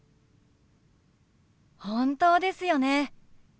本当ですよね。